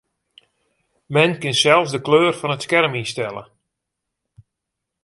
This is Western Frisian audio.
Men kin sels de kleur fan it skerm ynstelle.